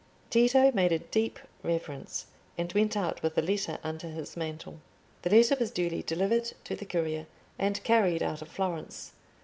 Tito made a deep reverence and went out with the letter under his mantle. The letter was duly delivered to the courier and carried out of Florence.